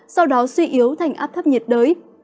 sau đó suy yếu thành áp thấp nhiệt đới